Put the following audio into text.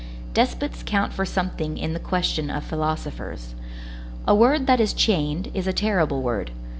Despots count for something in the question of philosophers. A word that is chained is a terrible word.